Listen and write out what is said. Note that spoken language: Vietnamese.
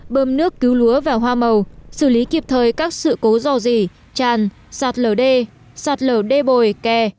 bơm nước cứu lúa và hoa màu xử lý kịp thời các sự cố do gì tràn sạt lờ đê sạt lờ đê bồi kè